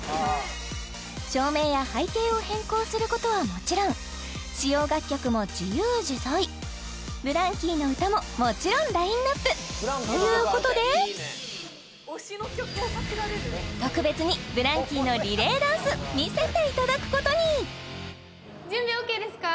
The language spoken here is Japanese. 照明や背景を変更することはもちろん使用楽曲も自由自在ＢＬＡＮＫ２Ｙの歌ももちろんラインナップということで特別にＢＬＡＮＫ２Ｙのリレーダンス見せていただくことに準備ＯＫですか？